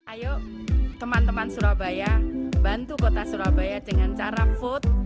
ayo teman teman surabaya bantu kota surabaya dengan cara food